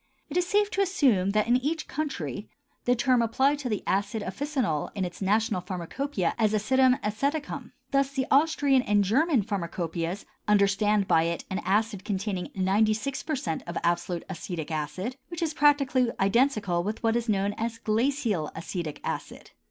It is safe to assume that, in each country, the term applies to the acid officinal in its national pharmacopœia as "Acidum Aceticum." Thus the Austrian and German pharmacopœias understand by it an acid containing 96% of absolute acetic acid, which is practically identical with what is known as glacial acetic acid.